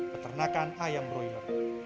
peternakan ayam broilor